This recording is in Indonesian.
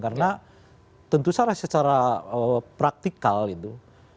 karena tentu secara praktikal itu